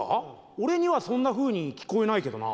俺にはそんなふうに聞こえないけどな。